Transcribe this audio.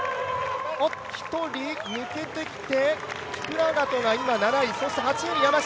１人抜けてきてキプラガトが今７位、そして８位に山下。